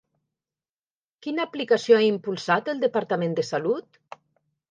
Quina aplicació ha impulsat el Departament de Salut?